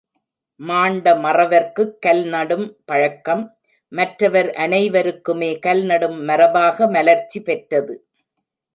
மாண்ட மறவர்க்குக் கல் நடும் பழக்கம், மற்றவர் அனைவருக்குமே கல் நடும் மரபாக மலர்ச்சி பெற்றது.